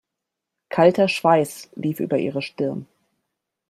Kalter Schweiß lief über ihre Stirn.